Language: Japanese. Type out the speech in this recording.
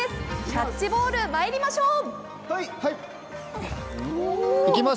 キャッチボール、まいりましょう。